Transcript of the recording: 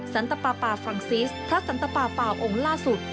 สันตปาปาฟรังซิสพระสันตปาปาองค์ล่าสุด